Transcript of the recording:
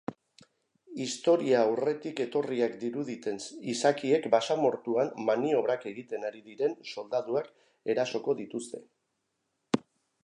Historiaurretik etorriak diruditen izakiek basamortuan maniobrak egiten ari diren soldaduak erasoko dituzte.